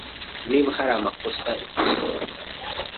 Niba hari amakosa, ikosore.